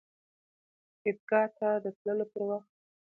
عیدګاه ته د تللو پر وخت